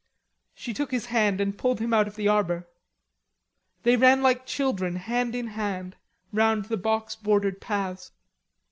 She took his hand and pulled him out of the arbor. They ran like children, hand in hand, round the box bordered paths.